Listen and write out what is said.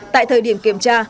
tại thời điểm kiểm tra